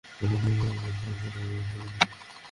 পাতা ঝরতে থাকে, এবং সব ফল নষ্ট হয়ে যায়।